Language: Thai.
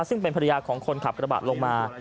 ซึ่งเป็นภรรยาของคนขับกระบะลงมา